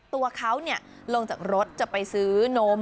ตัวเขาลงจากรถจะไปซื้อนม